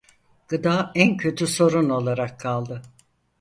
Gıda en kötü sorun olarak kaldı.